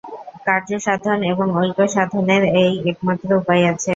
কার্যসাধন এবং ঐক্যসাধনের এই একমাত্র উপায় আছে।